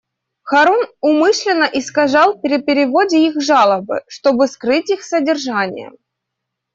Харун умышленно искажал при переводе их жалобы, чтобы скрыть их содержание.